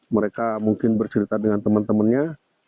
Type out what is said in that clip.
mereka mungkin bercerita dengan teman temannya